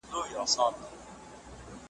ورځي تیري په خندا شپې پر پالنګ وي ,